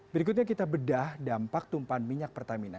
berikutnya kita bedah dampak tumpahan minyak pertamina